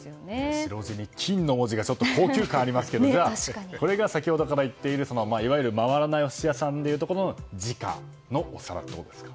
白地に金の文字が高級感ありますけどこれが先ほどから言っているいわゆる回らないお寿司屋さんでいうところの時価のお皿ってことですか。